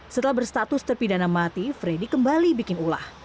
setelah berstatus terpidana mati freddy kembali bikin ulah